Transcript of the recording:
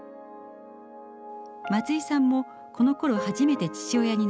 松居さんもこのころ初めて父親になりました。